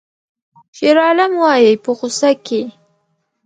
شیرعالم وایی په غوسه کې